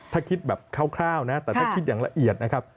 ถ้าคิดแบบคร่าวนะแต่ถ้าคิดอย่างละเอียดนะครับ